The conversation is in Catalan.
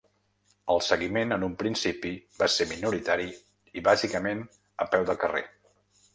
El seguiment, en un principi, va ser minoritari i bàsicament a peu de carrer.